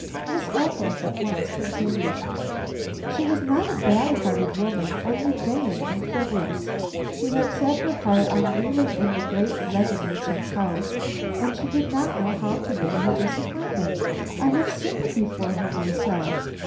Miss Althorpe at once continued: "She was not a bad hearted woman, only vain and frivolous. She had set her heart on ruling in the great leather merchant's house, and she did not know how to bear her disappointment. I have sympathy for her myself.